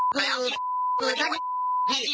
ก็แบบนี้